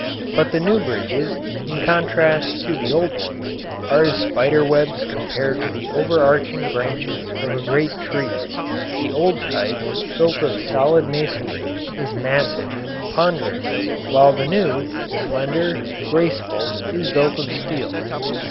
But the new bridges, in contrast to the old ones, are as spider webs compared to the overarching branches of a great tree. The old type, built of solid masonry, is massive, ponderous, while the new, slender, graceful, is built of steel.